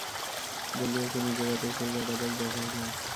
বলিয়া সে নিজের হাতের সেই কাটা দাগ দেখাইল।